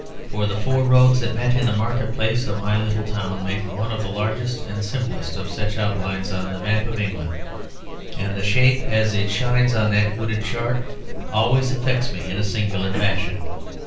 For the four roads that meet in the market place of my little town make one of the largest and simplest of such outlines on the map of England; and the shape as it shines on that wooded chart always affects me in a singular fashion.